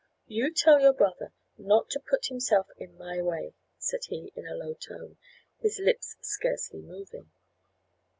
"You tell your brother not to put himself in my way," said he, in a low tone, his lips scarcely moving.